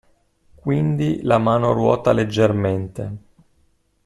Quindi la mano ruota leggermente.